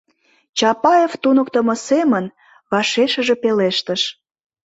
— Чапаев туныктымо семын вашешыже пелештыш.